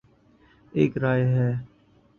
ایک رائے ہے